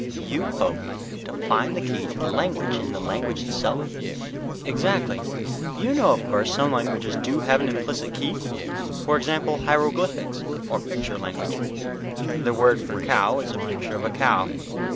"You hoped to find the key to the language in the language itself?" "Exactly. You know, of course, some languages do have an implicit key? For example hieroglyphics or picture language. The word for cow is a picture of a cow."